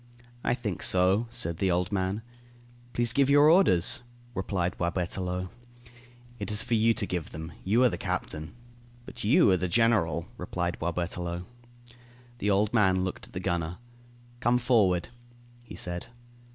"I think so," said the old man. "Please give your orders," replied Boisberthelot. "It is for you to give them, you are the captain." "But you are the general," replied Boisberthelot. The old man looked at the gunner. "Come forward," he said.